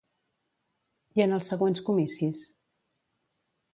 I en els següents comicis?